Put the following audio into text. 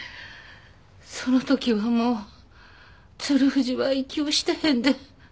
その時はもう鶴藤は息をしてへんで。